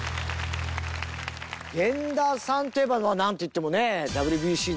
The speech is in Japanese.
源田さんといえばなんといってもね。